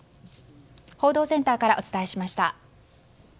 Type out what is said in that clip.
報道センターからお伝えしました。